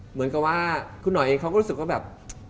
เหมือนกับว่าคุณหน่อยเองเขาก็รู้สึกว่าแบบ